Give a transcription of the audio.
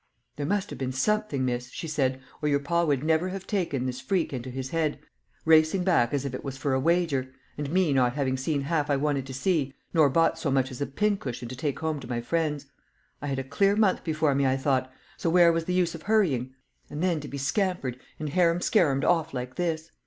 "There must have been something, miss," she said, "or your pa would never have taken this freak into his head racing back as if it was for a wager; and me not having seen half I wanted to see, nor bought so much as a pincushion to take home to my friends. I had a clear month before me, I thought, so where was the use of hurrying; and then to be scampered and harum scarumed off like this!